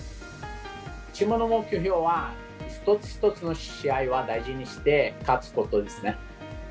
チームの目標は一つ一つの試合は大事にして勝つことですね。